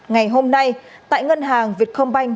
ngày hôm nay tại ngân hàng việt không banh